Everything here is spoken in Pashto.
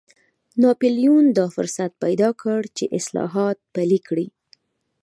ناپلیون دا فرصت پیدا کړ چې اصلاحات پلي کړي.